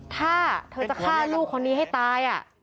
ถ้าเธอจะฆ่าลูกคนนี้ให้ตาย